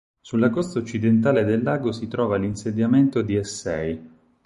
Sulla costa occidentale del lago si trova l'insediamento di Essej.